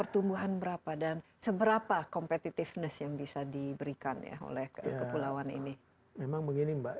terlalu singkat ya